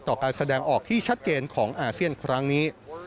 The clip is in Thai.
การแสดงออกที่ชัดเจนของอาเซียนครั้งนี้